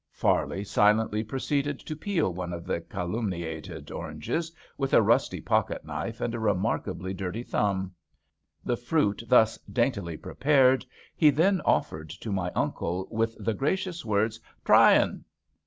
Farley silently proceeded to peel one of the calumniated oranges with a rusty pocket knife and a remarkably dirty thumb. The fruit thus daintily prepared he then offered to my uncle with the gracious words. " Try 'un."